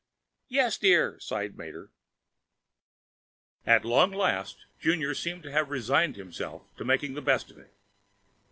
"Yes, dear," sighed Mater. At long last, Junior seemed to have resigned himself to making the best of it.